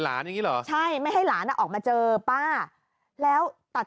อย่างนี้เหรอใช่ไม่ให้หลานอ่ะออกมาเจอป้าแล้วตัด